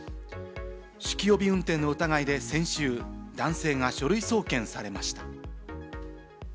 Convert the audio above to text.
酒気帯び運転の疑いで先週、男性が書類送検されました。